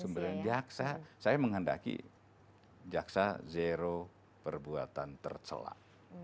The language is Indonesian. sumber daya jaksa saya mengandalki jaksa zero perbuatan terselak